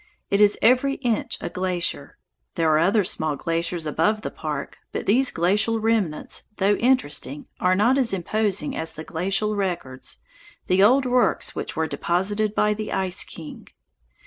It is every inch a glacier. There are other small glaciers above the Park, but these glacial remnants, though interesting, are not as imposing as the glacial records, the old works which were deposited by the Ice King.